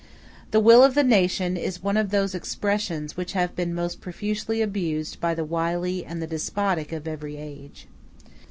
"The will of the nation" is one of those expressions which have been most profusely abused by the wily and the despotic of every age.